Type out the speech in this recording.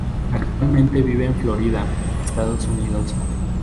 Actualmente vive en Florida, Estados Unidos.